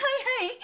はい！